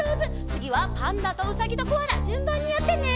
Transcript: つぎはパンダとうさぎとコアラじゅんばんにやってね。